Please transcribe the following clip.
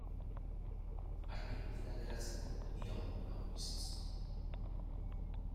Armairutik ateratzeko bi aholku emango dizkizut.